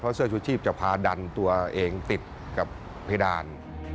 เสื้อชูชีพจะพาดันตัวเองติดกับเพดาน